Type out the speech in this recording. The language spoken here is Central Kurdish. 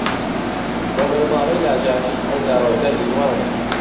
بۆ بنەماڵەی لاجانی ئەو داوەتە ئی وانە